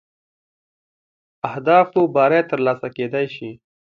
اهدافو بری تر لاسه کېدلای شي.